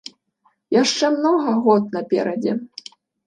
Яшчэ многа год наперадзе.